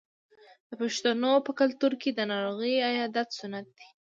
د پښتنو په کلتور کې د ناروغ عیادت سنت دی.